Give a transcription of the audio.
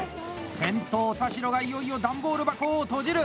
先頭・田代がいよいよ段ボール箱を閉じる！